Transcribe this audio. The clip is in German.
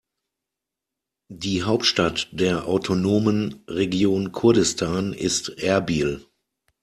Die Hauptstadt der autonomen Region Kurdistan ist Erbil.